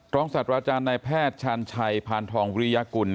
ศาสตราจารย์นายแพทย์ชาญชัยพานทองวิริยากุล